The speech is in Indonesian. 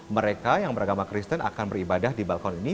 mereka yang beragama kristen akan beribadah di balkon ini